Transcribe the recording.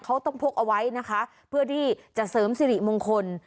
เขาต้องพกเอาไว้นะคะเพื่อที่จะเสริมสิริมงคล